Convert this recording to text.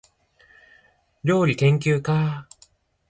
りょうりけんきゅうか